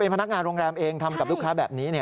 พนักงานโรงแรมเองทำกับลูกค้าแบบนี้